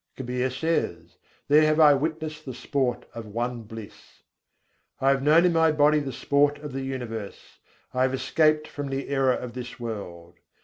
Kabîr says: "There have I witnessed the sport of One Bliss!" I have known in my body the sport of the universe: I have escaped from the error of this world..